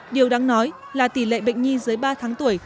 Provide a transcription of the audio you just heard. điều đáng nói là tỷ lệ bệnh nhi dưới ba tháng tuổi